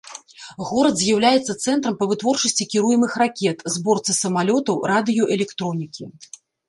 Горад з'яўляецца цэнтрам па вытворчасці кіруемых ракет, зборцы самалётаў, радыёэлектронікі.